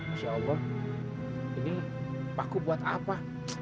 insya allah ini paku buat apa